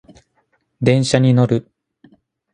電車に乗る